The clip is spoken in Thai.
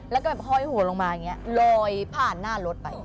แล้วก็ห้อยหัวลงมาอย่างนี้ลอยผ่านหน้ารถไป